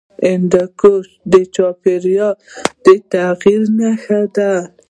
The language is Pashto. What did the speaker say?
هندوکش د چاپېریال د تغیر نښه ده.